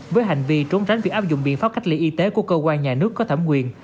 với hành vi trốn tránh việc áp dụng biện pháp cách ly y tế của cơ quan nhà nước có thẩm quyền